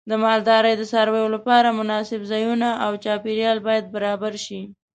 د مالدارۍ د څارویو لپاره مناسب ځایونه او چاپیریال باید برابر شي.